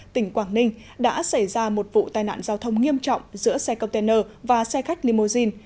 tỉnh quảng ninh đã xảy ra một vụ tai nạn giao thông nghiêm trọng giữa xe container và xe khách limousine